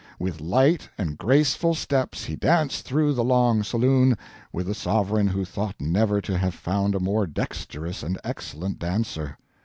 With light and graceful steps he danced through the long saloon, with the sovereign who thought never to have found a more dexterous and excellent dancer.